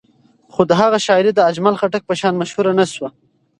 خو د هغه شاعري د اجمل خټک په شان مشهوره نه شوه.